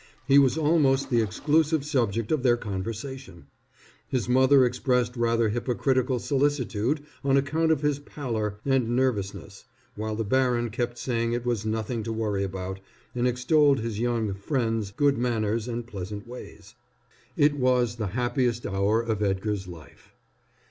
He was almost the exclusive subject of their conversation. His mother expressed rather hypocritical solicitude on account of his pallor and nervousness, while the baron kept saying it was nothing to worry about and extolled his young "friend's" good manners and pleasant ways. It was the happiest hour of Edgar's life.